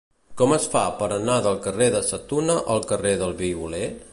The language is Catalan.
Com es fa per anar del carrer de Sa Tuna al carrer del Violer?